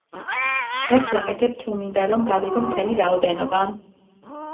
რას ვაკეთებ თუ მინდა, რომ გავიგო მთელი რაოდენობა?